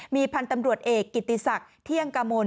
มีพันธุ์ตำรวจเอกกิติศักดิ์เที่ยงกมล